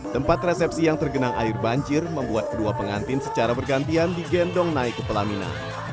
tempat resepsi yang tergenang air banjir membuat kedua pengantin secara bergantian digendong naik ke pelaminan